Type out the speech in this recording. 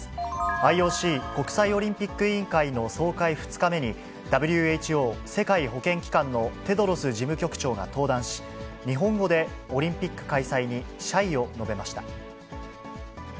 ＩＯＣ・国際オリンピック委員会の総会２日目に、ＷＨＯ・世界保健機関のテドロス事務局長が登壇し、日本語でオリンピック開催に謝意を述べました。